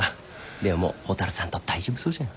でももう蛍さんと大丈夫そうじゃん。